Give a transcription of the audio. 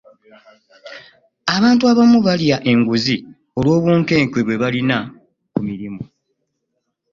abantu abamu balya enguzi okwobunkenke bwe balina ku mirimu.